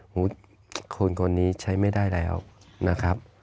คนคนนี้ใช้ไม่ได้แล้วนะครับ